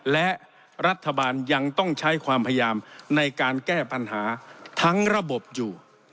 และรัฐบาลยังต้องใช้ความพยายามในการแก้ปัญหาทั้งระบบอยู่